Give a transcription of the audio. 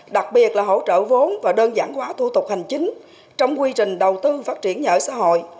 đặc biệt là hỗ trợ vốn và đơn giản hóa thủ tục hành chính trong quy trình đầu tư phát triển nhà ở xã hội